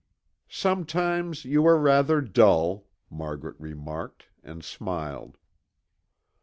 "Sometimes you are rather dull," Margaret remarked and smiled.